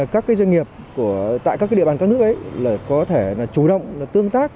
các doanh nghiệp tại các địa bàn các nước có thể chủ động tương tác